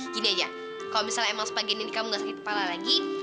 gini aja kalau misalnya emang sebagian ini kamu gak sakit kepala lagi